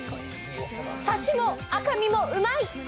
サシも赤身もうまいッ！